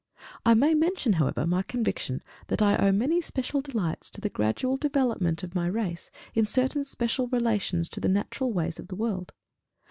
I may mention, however, my conviction, that I owe many special delights to the gradual development of my race in certain special relations to the natural ways of the world.